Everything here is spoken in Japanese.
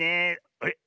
あれ？